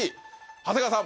長谷川さん